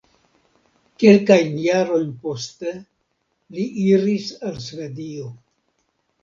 Kelkajn jarojn poste li iris al Svedio.